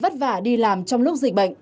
vất vả đi làm trong lúc dịch bệnh